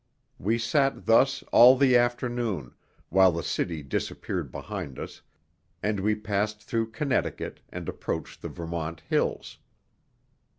We sat thus all the afternoon, while the city disappeared behind us, and we passed through Connecticut and approached the Vermont hills.